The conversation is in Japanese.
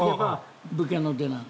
武家の出なの。